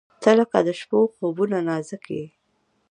• ته لکه د شپو خوبونه نازک یې.